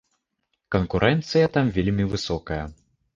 Канкурэнцыя там вельмі высокая.